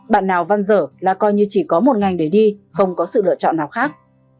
bạn nào văn dở là coi như chỉ có một ngành để đi không có sự lựa chọn nào khác